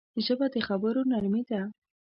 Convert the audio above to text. ژبه د خبرو نرمي ده